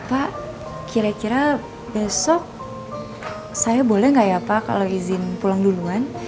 pak kira kira besok saya boleh nggak ya pak kalau izin pulang duluan